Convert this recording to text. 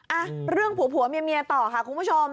อ่ะเรื่องผัวเมียต่อค่ะคุณผู้ชม